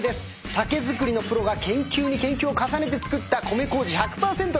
酒造りのプロが研究に研究を重ねて造った米こうじ１００％の甘酒。